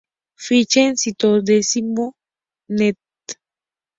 Ficha en "sitiodeciclismo.net".